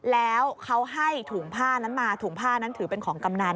แล้วเขาให้ถุงผ้านั้นมาถุงผ้านั้นถือเป็นของกำนัน